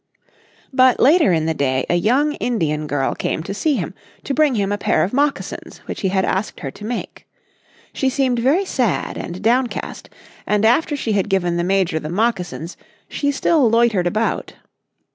But later in the day a young Indian girl came to see him, to bring him a pair of moccasins which he had asked her to make. She seemed very sad and downcast, and after she had given the Major the moccasins she still loitered about.